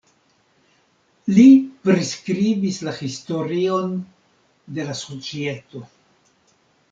Li priskribis la historion de la societo.